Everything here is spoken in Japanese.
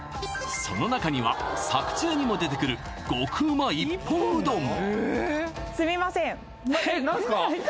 その中には作中にも出てくる極旨一本うどんも何すか？